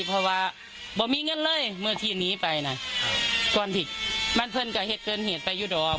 เพราะว่าบอกมีเงินเลยเมื่อทีนี้ไปนะก่อนที่มันเพลินกับเหตุเกินเหตุไปอยู่ดอม